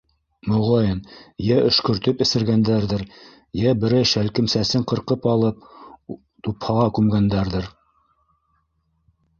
Моғайын, йә өшкөртөп эсергәндәрҙер, йә берәй шәлкем сәсен ҡырҡып алып, тупһаға күмгәндәрҙер.